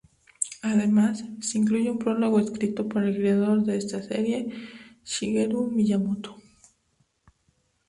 Además, se incluye un prólogo escrito por el creador de esta serie Shigeru Miyamoto.